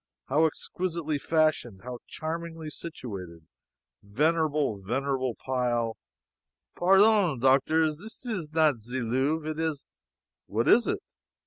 How exquisitely fashioned! How charmingly situated! Venerable, venerable pile " "Pairdon, Doctor, zis is not ze Louvre it is " "What is it?"